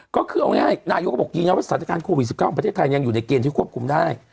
ก็คือเอาง่ายนายกก็บอกยืนยันว่าสถานการณ์โควิด๑๙ของประเทศไทยยังอยู่ในเกณฑ์ที่ควบคุมได้